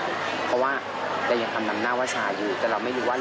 เพราะว่าเรายังทำดำหน้าว่าชาดอยู่